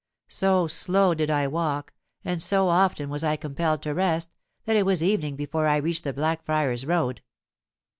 "So slow did I walk, and so often was I compelled to rest, that it was evening before I reached the Blackfriars Road.